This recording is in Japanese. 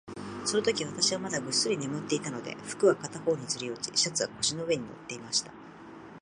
そのとき、私はまだぐっすり眠っていたので、服は片方にずり落ち、シャツは腰の上に載っていました。